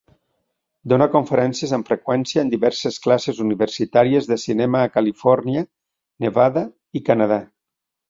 Dóna conferències amb freqüència en diverses classes universitàries de cinema a Califòrnia, Nevada i Canadà.